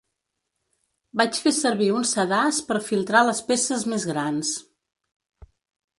Vaig fer servir un sedàs per filtrar les peces més grans.